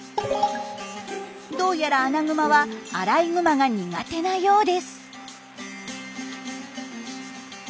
どうやらアナグマはアライグマが苦手なようです。